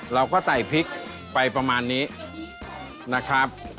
เราก็ใส่พริกไปประมาณนี้นะครับ